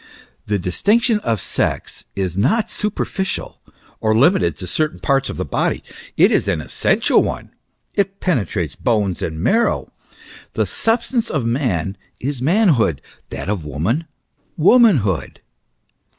The distinction of sex is not superficial, or limited to certain parts of the body ; it is an essential one : it penetrates bones and marrow. The substance of man, is manhood; that of woman, womanhood.